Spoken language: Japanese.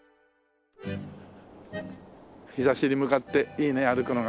日差しに向かっていいね歩くのがね。